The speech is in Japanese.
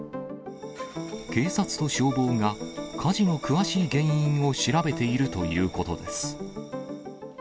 警察と消防が、火事の詳しい原因を調べているということです。